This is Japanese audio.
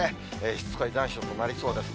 しつこい残暑となりそうです。